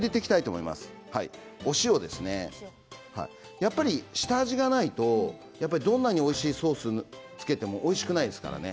やっぱり下味がないとどんなにおいしいソースにつけてもおいしくないですからね。